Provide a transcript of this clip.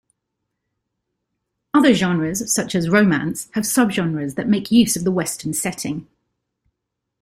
Other genres, such as romance, have subgenres that make use of the Western setting.